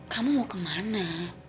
kamu mau kemana